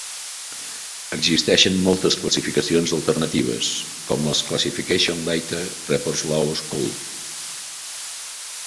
Existeixen moltes classificacions alternatives, com les Classificacions Leiter Reports Law School.